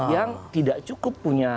yang tidak cukup punya